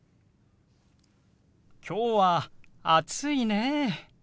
きょうは暑いね。